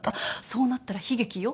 そうなったら悲劇よ。